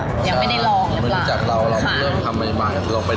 ยังไม่ได้ลองหรือเปล่าค่ะค่ะใช่มันรู้จักเราเราเริ่มทำใหม่